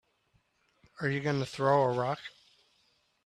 Are you gonna throw a rock?